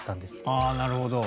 ああなるほど。